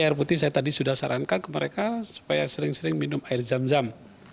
air putih saya tadi sudah sarankan ke mereka supaya sering sering minum air zam zam